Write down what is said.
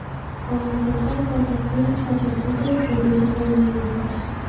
Oftentimes, corporal punishment, such as whipping, will be used along with imprisonment.